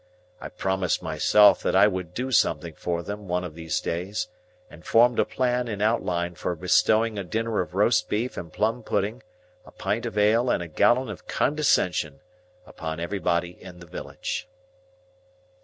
I promised myself that I would do something for them one of these days, and formed a plan in outline for bestowing a dinner of roast beef and plum pudding, a pint of ale, and a gallon of condescension, upon everybody in the village.